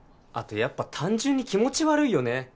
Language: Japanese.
あとやっぱ単純に気持ち悪いよね。